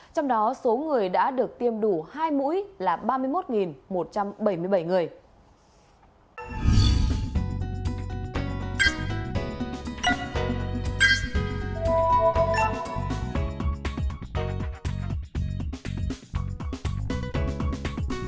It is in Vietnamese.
trong đó số người đã được tiêm đủ hai mũi là ba mươi một một trăm bảy mươi bảy người